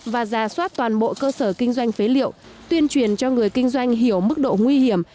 và ra soát toàn bộ cơ sở kinh doanh phế liệu tuyên truyền cho người kinh doanh hiểu mức độ nguy hiểm